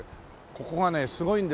ここがねすごいんですよ。